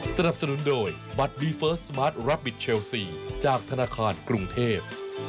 สนับสนุนโดยบัตรบีเฟิร์สสมาร์ทรับบิทเชลซีจากธนาคารกรุงเทพ